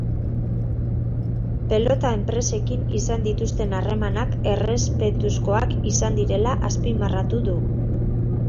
Pelota enpresekin izan dituzten harremanak errespetuzkoak izan direla azpimarratu du.